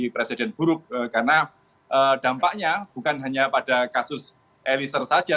jadi presiden buruk karena dampaknya bukan hanya pada kasus eliezer saja